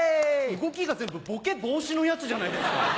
動きが全部ボケ防止のやつじゃないですか！